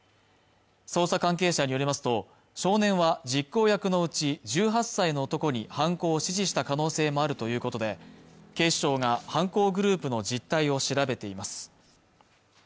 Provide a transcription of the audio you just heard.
捜査関係者によりますと少年は実行役のうち１８歳の男に犯行を指示した可能性もあるということで警視庁が犯行グループの実態を調べています